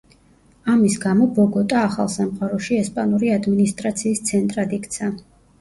ამის გამო ბოგოტა ახალ სამყაროში ესპანური ადმინისტრაციის ცენტრად იქცა.